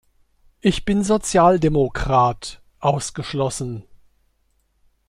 Ich bin Sozialdemokrat“" ausgeschlossen.